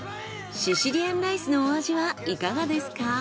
シシリアンライスのお味はいかがですか？